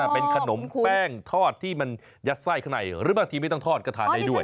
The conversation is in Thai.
เป็นขนมแป้งทอดที่มันยัดไส้ข้างในหรือบางทีไม่ต้องทอดก็ทานได้ด้วย